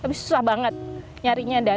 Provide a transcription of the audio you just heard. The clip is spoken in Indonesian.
tapi susah banget nyarinya